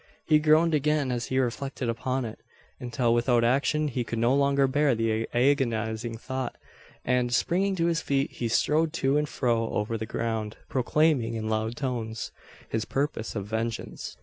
He groaned again, as he reflected upon it; until, without action, he could no longer bear the agonising thought, and, springing to his feet, he strode to and fro over the ground, proclaiming, in loud tones, his purpose of vengeance.